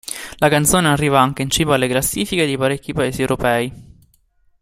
La canzone arriva anche in cima alle classifiche di parecchi paesi europei.